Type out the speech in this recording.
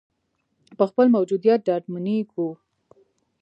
په خپل موجودیت ډاډمنېږو.